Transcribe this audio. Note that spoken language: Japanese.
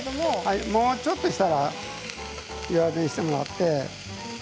もうちょっとしたら弱火にしてもらって。